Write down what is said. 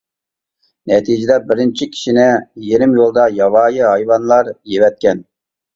نەتىجىدە بىرىنچى كىشىنى يېرىم يولدا ياۋايى ھايۋانلار يەۋەتكەن.